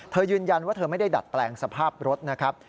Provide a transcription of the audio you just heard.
ยืนยันว่าเธอไม่ได้ดัดแปลงสภาพรถนะครับ